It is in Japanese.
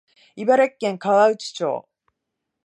茨城県河内町